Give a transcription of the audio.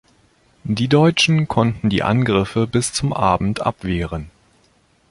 Die Deutschen konnten die Angriffe bis zum Abend abwehren.